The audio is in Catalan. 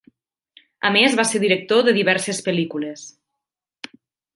A més va ser director de diverses pel·lícules.